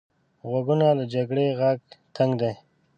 غوږونه له جګړې غږ تنګ دي